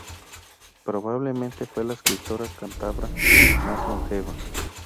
Probablemente fue la escritora cántabra más longeva.